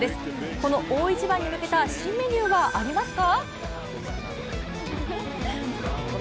この大一番に向けた新メニューはありますか？